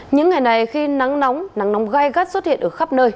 những ngày này khi nắng nóng nắng nóng gai gắt xuất hiện ở khắp nơi